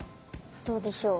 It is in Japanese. どうでしょう。